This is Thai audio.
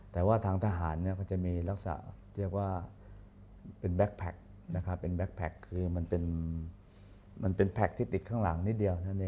แต่ว่าทางทหารเนี่ยเขาจะรักษาเป็นแบ็คแพ็คเป็นแพ็คที่ติดข้างหลังนิดเดียว